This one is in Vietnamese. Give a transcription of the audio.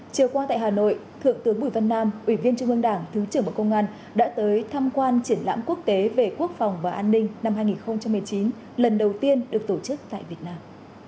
chiều qua tại hà nội thượng tướng bùi văn nam ủy viên trung ương đảng thứ trưởng bộ công an đã tới tham quan triển lãm quốc tế về quốc phòng và an ninh năm hai nghìn một mươi chín lần đầu tiên được tổ chức tại việt nam